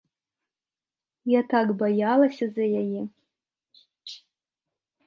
Я так баялася за яе.